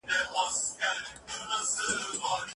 تاسي تل د خپل کلتور په یاد اوسئ.